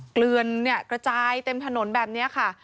เกลือนกระจายเต็มถนนแบบนี้ค่ะ